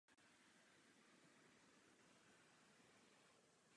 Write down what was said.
Naopak byly některé linky i zkráceny.